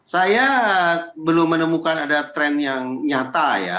saya belum menemukan ada tren yang nyata ya